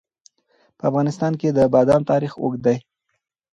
په افغانستان کې د بادام تاریخ اوږد دی.